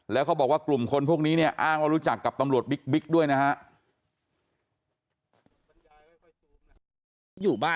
แล้วเขาบอกว่ากลุ่มคนพวกนี้เนี่ยอ้างว่ารู้จักกับตำรวจบิ๊กด้วยนะฮะ